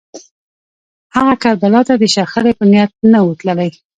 هغه کربلا ته د شخړې په نیت نه و تللی